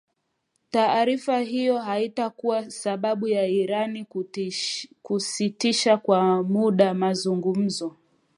Taarifa hiyo haikutoa sababu ya Iran kusitisha kwa muda mazungumzo